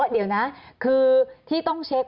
เดี๋ยวนะคือที่ต้องเช็ค